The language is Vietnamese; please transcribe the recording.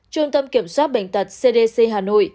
trung tâm kiểm soát bệnh tật cdc hà nội